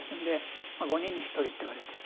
５人に１人といわれている。